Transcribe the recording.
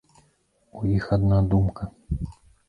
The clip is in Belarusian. У іх адна думка.